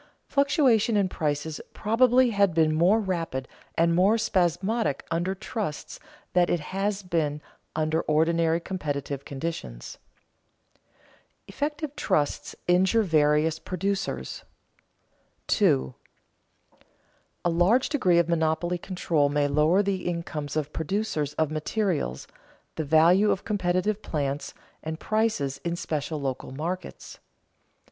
Fluctuation of prices probably has been more rapid and more spasmodic under trusts than it has been under ordinary competitive conditions. [Sidenote: Effective trusts injure various producers] 2. _A large degree of monopoly control may lower the incomes of producers of materials, the value of competitive plants, and prices in special local markets.